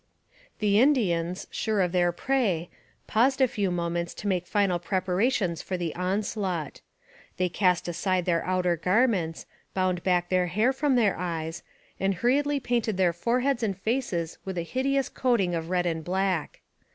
The Indians, sure of their prey, paused a few moments to make final preparations for the onslaught. They cast aside their outer garments, bound back their hair from their eyes, and hurriedly painted their foreheads and faces with a hideous coating of red and black.